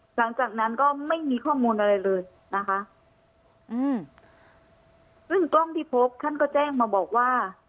หลังจากนั้นก็ไม่มีข้อมูลอะไรเลยนะคะอืมซึ่งกล้องที่พบท่านก็แจ้งมาบอกว่า